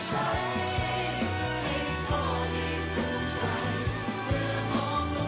ให้พ่อได้ภูมิใจเมื่อมองลงมา